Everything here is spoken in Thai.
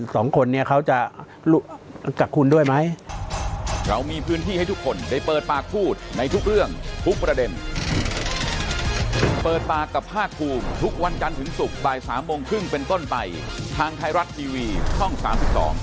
สองคนเนี่ยเขาจะกับคุณด้วยไหม